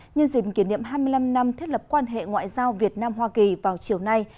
nhân dìm kỷ niệm hai mươi năm năm thiết lập quan hệ ngoại giao việt nam hoa kỳ vào chiều nay